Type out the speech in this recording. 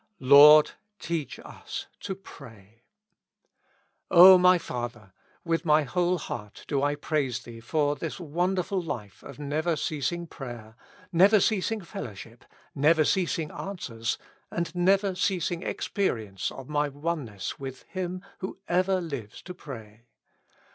" Lord, teach us to pray." O my Father, with my whole heart do I praise Thee for this wondrous life of never ceasing prayer, never ceasing fellowship, never ceasing answers, and never ceasing experience of my oneness with Him who ever lives to pray.